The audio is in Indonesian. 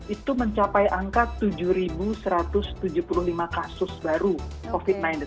itu mencapai angka tujuh satu ratus tujuh puluh lima kasus baru covid sembilan belas